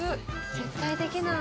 絶対できない。